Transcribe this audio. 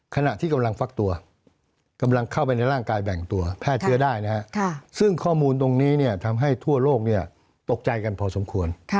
ขณะที่กำลังฟักตัวกำลังเข้าไปในร่างกายแบ่งตัวแพร่เชื้อได้นะฮะซึ่งข้อมูลตรงนี้ทำให้ทั่วโลกตกใจกันพอสมควร